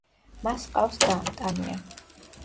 მას ჰყავს და, ტანია.